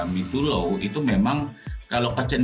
berdasarkan survei internal yang kelasnya itu adalah kelasnya